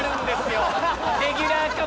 レギュラー化